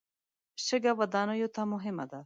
شګه ودانیو ته مهمه ده.